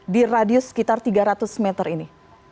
di radius sekitar tiga ratus meter ini